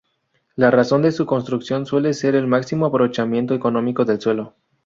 La razón de su construcción suele ser el máximo aprovechamiento económico del suelo.